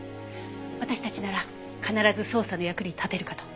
私たちなら必ず捜査の役に立てるかと。